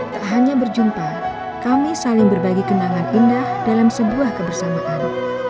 tak hanya berjumpa kami saling berbagi kenangan indah dalam sebuah kebersamaan